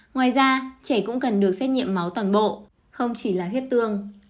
ngoài ra trẻ cũng cần được xét nghiệm máu toàn bộ không chỉ là huyết tương